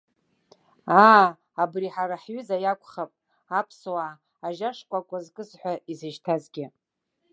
Аа, абри ҳара ҳҩыза иакәхап, аԥсуаа, ажьа шкәакәа зкыз ҳәа изышьҭазгьы.